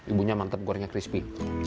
ibunya mantep gorengnya crispy